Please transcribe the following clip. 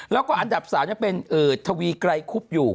แล้วก็อันดับ๓เป็นทวีไกรคุบอยู่